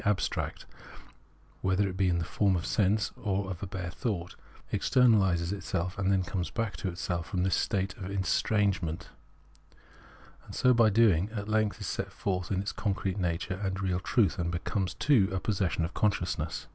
abstract — whether it be in the form of sense or of a bare thought — externalises itself, and then comes back to itself from this state of estrangement, and by so doing is at length set forth in its concrete nature and real truth, and becomes too a possession of consciousness.